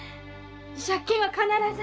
借金は必ず。